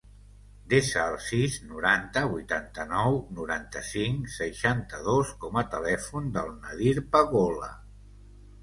Desa el sis, noranta, vuitanta-nou, noranta-cinc, seixanta-dos com a telèfon del Nadir Pagola.